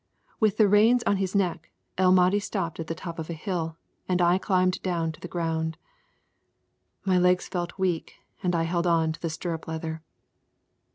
With the reins on his neck, El Mahdi stopped at the top of the hill and I climbed down to the ground. My legs felt weak and I held on to the stirrup leather.